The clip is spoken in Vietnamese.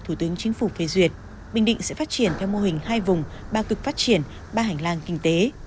thủ tướng chính phủ phê duyệt bình định sẽ phát triển theo mô hình hai vùng ba cực phát triển ba hành lang kinh tế